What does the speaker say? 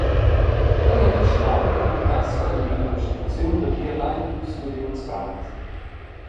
Per la vischnaunca muntass quei ina investiziun da biebein dus milliuns francs.